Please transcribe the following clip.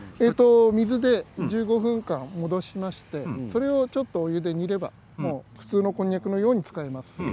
水で１５分間戻しましてそれをお湯で煮れば普通のこんにゃくのようにも使えます。